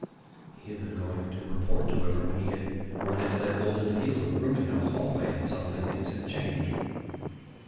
He had been going to report to Webber when he had run into that golden field in the rooming house hallway. And suddenly things had changed.